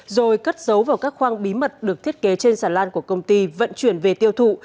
rồi cất dấu vào các khoang bí mật được thiết kế trên sàn lan của công ty vận chuyển về tiêu thụ